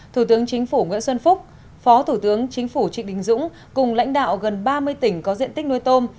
thủ tướng chính phủ nguyễn xuân phúc phó thủ tướng chính phủ trịnh đình dũng cùng lãnh đạo gần ba mươi tỉnh có diện tích nuôi tôm